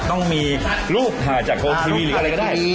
ต้องมีรูปถ่ายจากโอทีวีหรืออะไรก็ได้